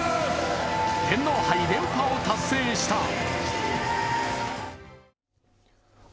天皇杯連覇を達成した。